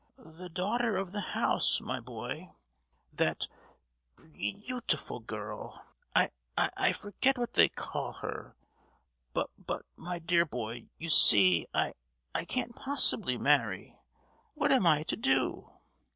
"The daughter of the house, my boy; that beau—tiful girl. I—I forget what they call her. Bu—but, my dear boy, you see I—I can't possibly marry. What am I to do?"